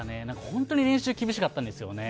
本当に練習厳しかったんですよね。